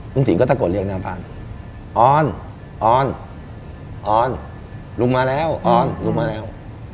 สินก็ตะโกนเรียกหน้าบ้านออนออนออนลุงมาแล้วออนลุงมาแล้ว